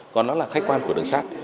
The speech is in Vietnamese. còn nó là khách quan của đường sắt